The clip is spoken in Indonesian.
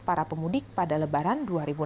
para pemudik pada lebaran dua ribu delapan belas